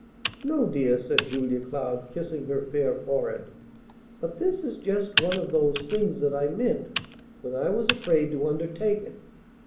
"No, dear," said Julia Cloud, kissing her fair forehead. "But this is just one of those things that I meant when I was afraid to undertake it.